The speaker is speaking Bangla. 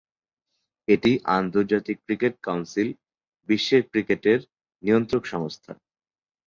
এটি আন্তর্জাতিক ক্রিকেট কাউন্সিল, বিশ্বের ক্রিকেটের ক্রিকেটের নিয়ন্ত্রক সংস্থা।